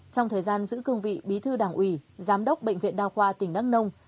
trong thời gian giữ cương vị bí thư đảng ủy giám đốc bệnh viện đa khoa tỉnh đắk nông